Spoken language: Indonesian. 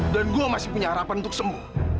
dan gue masih punya harapan untuk semua